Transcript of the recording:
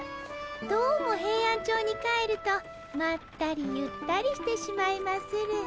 どうもヘイアンチョウに帰るとまったりゆったりしてしまいまする。